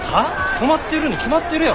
止まってるに決まってるやろ。